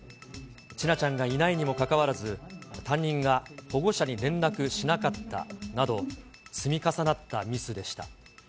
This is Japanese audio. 千奈ちゃんがいないにもかかわらず、担任が保護者に連絡しなかったなど、積み重なったミスでした。